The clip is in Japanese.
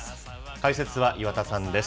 解説は岩田さんです。